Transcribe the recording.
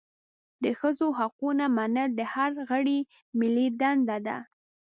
د ښځو حقونه منل د هر غړي ملي دنده ده.